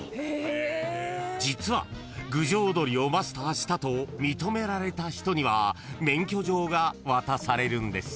［実は郡上おどりをマスターしたと認められた人には免許状が渡されるんです］